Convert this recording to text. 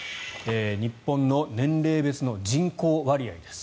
日本の年齢別の人口割合です。